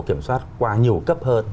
kiểm soát qua nhiều cấp hơn